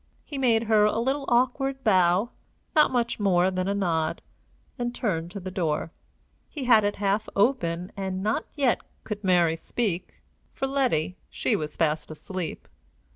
He made her a little awkward bow not much more than a nod, and turned to the door. He had it half open, and not yet could Mary speak. For Letty, she was fast asleep.